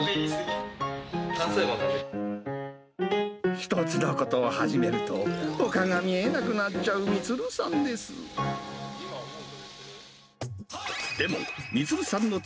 １つのことを始めると、ほかが見えなくなっちゃう充さんです。